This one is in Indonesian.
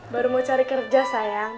baru mau cari kerja saya